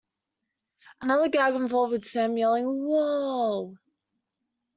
Another gag involved Sam yelling 'Whoa!